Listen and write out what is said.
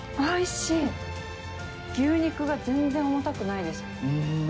牛肉が全然重たくないです。